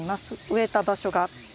植えた場所が。